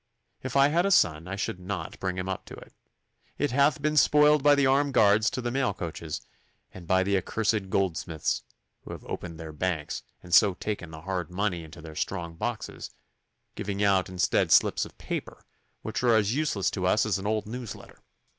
If I had a son I should not bring him up to it. It hath been spoiled by the armed guards to the mail coaches, and by the accursed goldsmiths, who have opened their banks and so taken the hard money into their strong boxes, giving out instead slips of paper, which are as useless to us as an old newsletter.